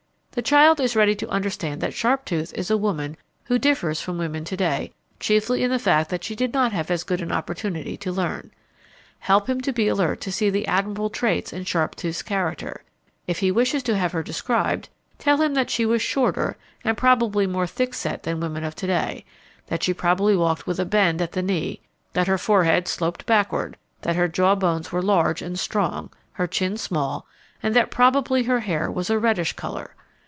The child is ready to understand that Sharptooth is a woman who differs from women to day chiefly in the fact that she did not have as good an opportunity to learn. Help him to be alert to see the admirable traits in Sharptooth's character. If he wishes to have her described, tell him that she was shorter and probably more thick set than women of to day; that she probably walked with a bend at the knee; that her forehead sloped backward; that her jawbones were large and strong, her chin small, and that probably her hair was a reddish color.